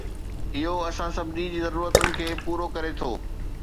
اهو اسان جي سڀني ضرورتن کي پورو ڪري ٿو